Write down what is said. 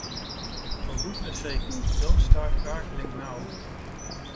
For goodness' sake, don't start gargling now.